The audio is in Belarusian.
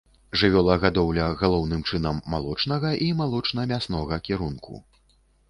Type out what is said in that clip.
Жывёлагадоўля галоўным чынам малочнага і малочна-мяснога кірунку.